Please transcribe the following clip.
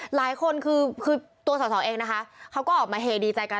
หลายคนคือตัวสอสอเองนะคะเขาก็ออกมาเฮดีใจกัน